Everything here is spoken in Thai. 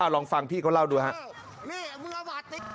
ลองฟังพี่เขาเล่าดูครับ